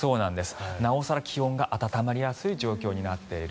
なお更気温が温まりやすい状況になっている。